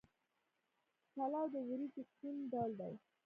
چلو د وریجو سپین ډول دی.